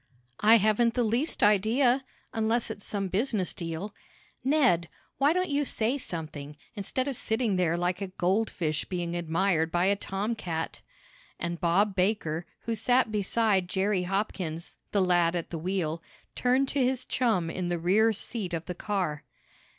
"I haven't the least idea, unless it's some business deal. Ned, why don't you say something, instead of sitting there like a goldfish being admired by a tom cat?" and Bob Baker, who sat beside Jerry Hopkins, the lad at the wheel, turned to his chum in the rear seat of the car.